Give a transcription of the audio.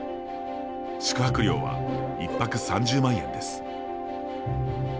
宿泊料は１泊３０万円です。